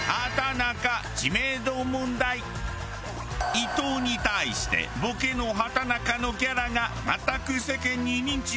伊藤に対してボケの畠中のキャラが全く世間に認知されていないという。